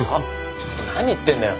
ちょっと何言ってんだよ。